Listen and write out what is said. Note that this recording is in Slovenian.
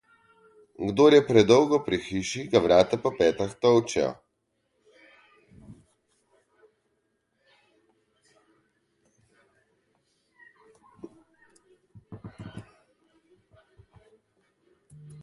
Kdor je predolgo pri hiši, ga vrata po petah tolčejo.